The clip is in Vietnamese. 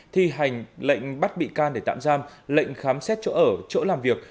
thi hành lệnh bắt bị can để tạm giam lệnh khám xét chỗ ở chỗ làm việc